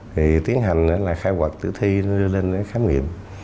thì tiến hành là khai cuộc tử thi đưa lên khám nghiệm